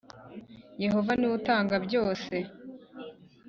Yehova ni we utanga byose